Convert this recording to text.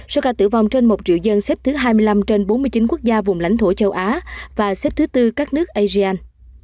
số ca tử vong trên một triệu dân xếp thứ hai mươi năm trên bốn mươi chín quốc gia vùng lãnh thổ châu á và xếp thứ tư các nước asean